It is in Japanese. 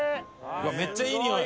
めっちゃいいにおい。